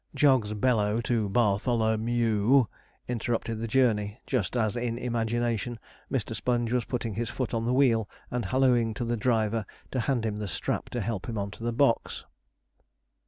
Jog's bellow to 'Bartholo m e w' interrupted the journey, just as in imagination Mr. Sponge was putting his foot on the wheel and hallooing to the driver to hand him the strap to help him on to the box.